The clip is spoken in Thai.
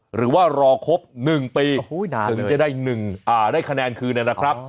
หรือว่ารอครบ๑ปีถึงจะได้คะแนนคืนนะครับ